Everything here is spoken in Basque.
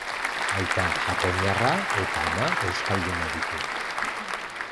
Aita japoniarra eta ama euskalduna ditu.